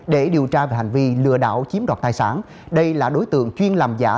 để điều tra về hành vi lừa đảo chiếm đọt thai sản đây là đối tượng chuyên làm giả